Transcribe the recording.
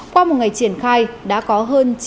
qua một ngày triển khai đã có hơn